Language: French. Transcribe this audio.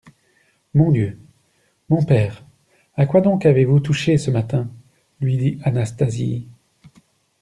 Mon Dieu ! mon père, à quoi donc avez-vous touché ce matin ? lui dit Anastasie.